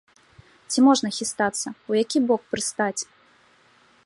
Ці можна хістацца, у які бок прыстаць?